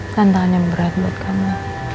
tantangan yang berat buat kami